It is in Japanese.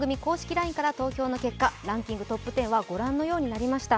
ＬＩＮＥから投票の結果、ランキングトップ１０はご覧のようになりました。